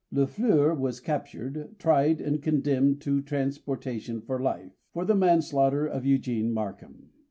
Lafleur was captured, tried, and condemned to transportation for life, for the manslaughter of Eugene Markham.